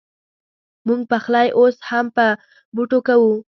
مونږ پخلی اوس هم په بوټو کوو